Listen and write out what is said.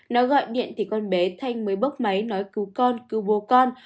nó gọi điện thì con bé thanh mới bốc máy nói cứu con cứu vô con